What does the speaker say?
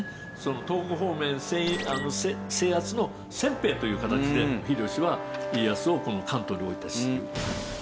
東北方面制圧の先兵という形で秀吉は家康をこの関東に置いたんです。